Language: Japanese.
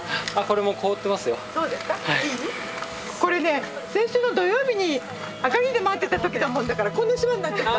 これね先週の土曜日に赤城で待ってた時のもんだからこんなしわになっちゃった。